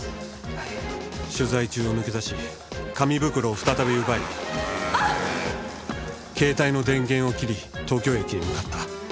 取材中を抜け出し紙袋を再び奪い携帯の電源を切り東京駅へ向かった。